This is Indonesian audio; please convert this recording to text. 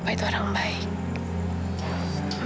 jangan kendorong pas